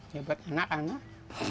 ya buat anak anak